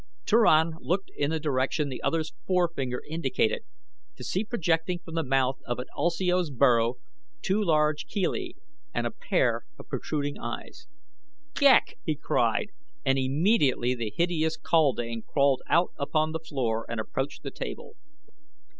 Turan looked in the direction the other's forefinger indicated, to see projecting from the mouth of an ulsio's burrow two large chelae and a pair of protruding eyes. "Ghek!" he cried and immediately the hideous kaldane crawled out upon the floor and approached the table.